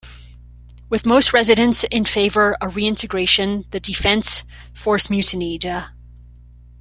With most residents in favour of reintegration, the defence force mutinied.